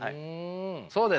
そうですよね。